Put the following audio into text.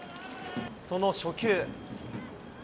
その初球。